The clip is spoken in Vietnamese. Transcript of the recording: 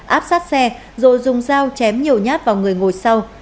áp sát xe rồi dùng dao chém nhiều nhát vào người ngồi sau